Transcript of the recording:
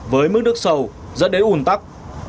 với mức nước sầu dẫn đến ủn tắc